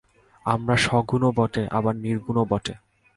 আমরা সগুণও বটে, আবার নির্গুণও বটে।